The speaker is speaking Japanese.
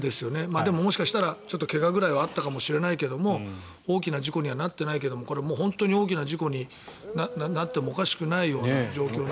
でももしかしたら、怪我ぐらいはあったかもしれないけど大きな事故にはなっていないけど大きな事故になってもおかしくないような状況なので。